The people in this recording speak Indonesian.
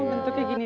tuh bentuknya gini